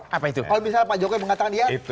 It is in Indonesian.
kalau misalnya pak jokowi mengatakan dia